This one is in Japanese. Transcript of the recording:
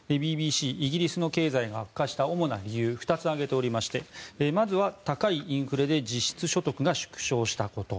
ＢＢＣはイギリスの経済が悪化した主な理由２つ挙げていましてまずは高いインフレで実質所得が縮小したこと。